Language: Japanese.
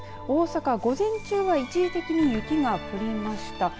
大阪午前中は一時的に雪が降りました。